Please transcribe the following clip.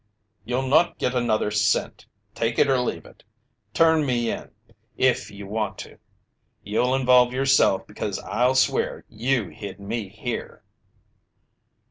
"You'll not get another cent. Take it or leave it. Turn me in if you want to! You'll involve yourself because I'll swear you hid me here."